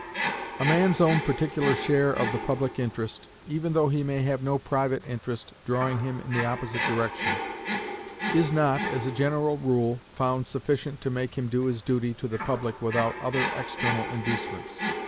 A man's own particular share of the public interest, even though he may have no private interest drawing him in the opposite direction, is not, as a general rule, found sufficient to make him do his duty to the public without other external inducements.